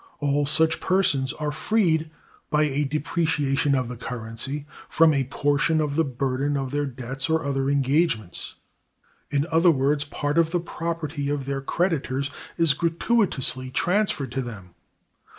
All such persons are freed, by a depreciation of the currency, from a portion of the burden of their debts or other engagements; in other words, part of the property of their creditors is gratuitously transferred to them.